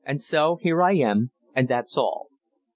And so here I am, and that's all."